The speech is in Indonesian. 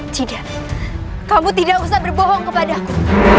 tidak kamu tidak usah berbohong kepada aku